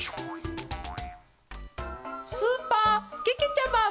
スーパーけけちゃマン。